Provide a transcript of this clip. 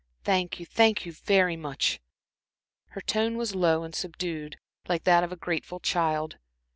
Thank you thank you very much." Her tone was low and subdued, like that of a grateful child.